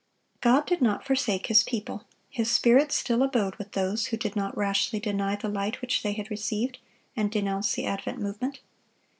(665) God did not forsake His people; His Spirit still abode with those who did not rashly deny the light which they had received, and denounce the Advent Movement.